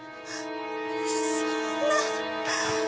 そんな！